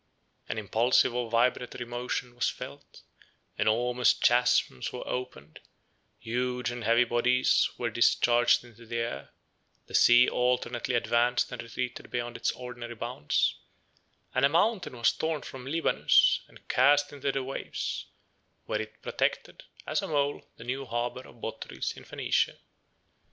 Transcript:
An impulsive or vibratory motion was felt: enormous chasms were opened, huge and heavy bodies were discharged into the air, the sea alternately advanced and retreated beyond its ordinary bounds, and a mountain was torn from Libanus, 84 and cast into the waves, where it protected, as a mole, the new harbor of Botrys 85 in Phoenicia.